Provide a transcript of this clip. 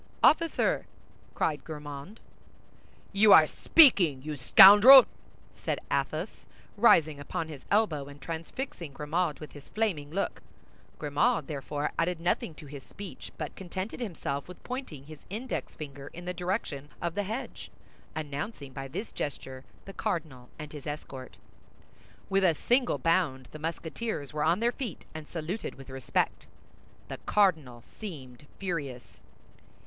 "Officer!" cried Grimaud. "You are speaking, you scoundrel!" said Athos, rising upon his elbow, and transfixing Grimaud with his flaming look. Grimaud therefore added nothing to his speech, but contented himself with pointing his index finger in the direction of the hedge, announcing by this gesture the cardinal and his escort. With a single bound the Musketeers were on their feet, and saluted with respect. The cardinal seemed furious.